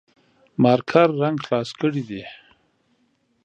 مارکر رنګ خلاص کړي دي